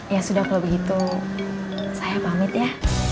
ya sudah kalau begitu saya pamit ya